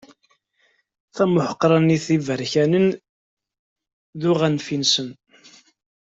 Tamuḥeqranit n yiberkanen d uɣanfi-nsen.